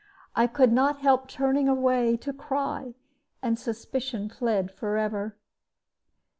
I could not help turning away to cry, and suspicion fled forever.